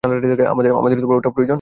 আমাদের ওটা প্রয়োজন আছে।